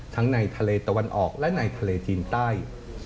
ในทะเลตะวันออกและในทะเลจีนใต้